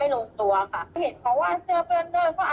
ไหมคะมันก็ก็น่าจะเกี่ยวข้องค่ะเพราะว่าเราก็อยากมีหลักศาสตร์เพิ่มขึ้น